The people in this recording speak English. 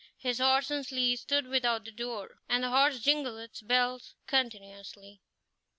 His horse and sleigh stood without the door, and the horse jingled its bells continually.